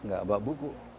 gak bawa buku